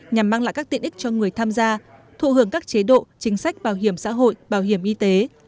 nhằm mang lại các tiện ích cho người tham gia thụ hưởng các chế độ chính sách bảo hiểm xã hội bảo hiểm y tế